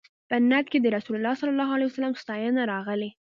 په نعت کې د رسول الله صلی الله علیه وسلم ستاینه راغلې.